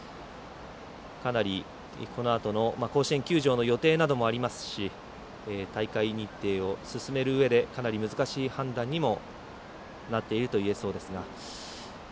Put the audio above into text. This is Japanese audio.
かなり、このあとの甲子園球場の予定などもあり大会日程を進める上でかなり難しい判断にもなっているといえそうですが。